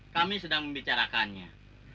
kami sedang membicarakannya